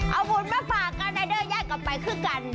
เอาบุญมาฝากกับในเดือดย่ายกลับไปคือกัน